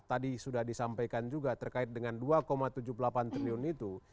tadi sudah disampaikan juga terkait dengan dua tujuh puluh delapan triliun itu